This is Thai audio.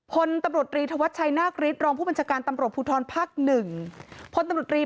ฝทะวัฒชัยนาคริท